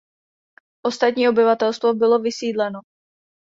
Ostatní obyvatelstvo bylo vysídleno.